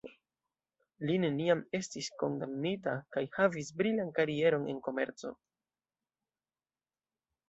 Li neniam estis kondamnita kaj havis brilan karieron en komerco.